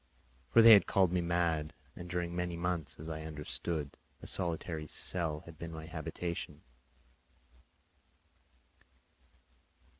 For they had called me mad, and during many months, as I understood, a solitary cell had been my habitation.